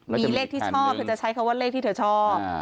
มีเลขที่ชอบเธอจะใช้คำว่าเลขที่เธอชอบ